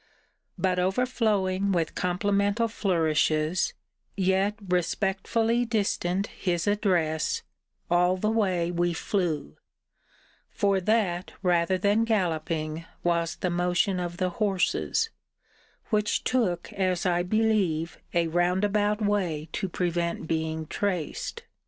But overflowing with complimental flourishes, yet respectfully distant his address, all the way we flew; for that, rather than galloping, was the motion of the horses; which took, as I believe, a round about way, to prevent being traced.